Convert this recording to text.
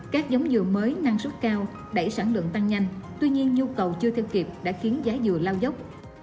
các giống dừa mới năng suất cao đẩy sản lượng tăng nhanh tuy nhiên nhu cầu chưa theo kịp đã khiến giá dừa lao dốc